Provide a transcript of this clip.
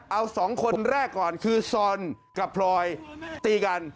เอาสองคนแรกก่อนคือซอนกับพลอยตีกัน